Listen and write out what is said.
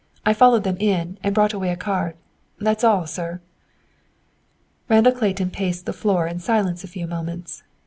I followed them in and brought away a card. That's all, sir!" Randall Clayton paced the floor in silence a few moments.